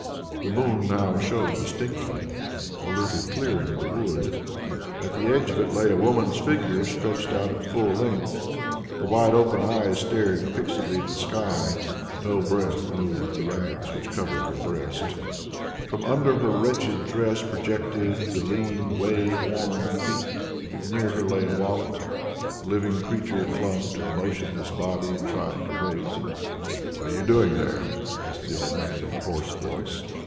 The moon now showed distinctly a little clearing in the wood. At the edge of it lay a woman's figure stretched out at full length. The wide open eyes stared fixedly at the sky; no breath moved the rags which covered her breast; from under her wretched dress projected the lean way worn feet. Near her lay a wallet. A little living creature clung to the motionless body and tried to raise it. "What are you doing there?" asked the old man in a hoarse voice.